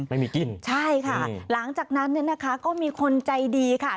ไม่มีกินใช่ค่ะหลังจากนั้นเนี่ยนะคะก็มีคนใจดีค่ะ